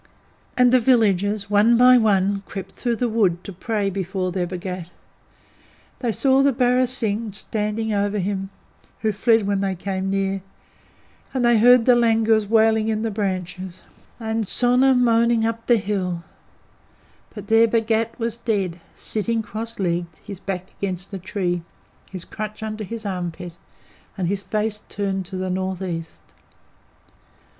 And the villagers, one by one, crept through the wood to pray before their Bhagat. They saw the barasingh standing over him, who fled when they came near, and they heard the langurs wailing in the branches, and Sona moaning up the hill; but their Bhagat was dead, sitting cross legged, his back against a tree, his crutch under his armpit, and his face turned to the north east.